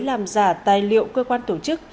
làm giả tài liệu cơ quan tổ chức